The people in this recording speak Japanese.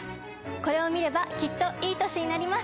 これを見ればきっといい年になります！